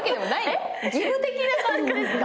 えっ義務的な感じですか？